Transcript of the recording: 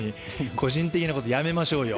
個人的なこと、やめましょうよ。